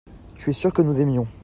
tu es sûr que nous aimions.